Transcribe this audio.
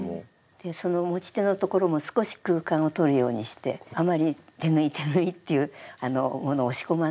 でその持ち手のところも少し空間をとるようにしてあまり手縫い手縫いっていうものを仕込まないで。